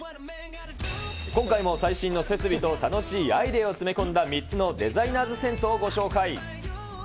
今回も最新の設備と楽しいアイデアを詰め込んだ３つのデザイナーズ銭湯をご紹介。